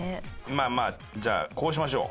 まあまあじゃあこうしましょう。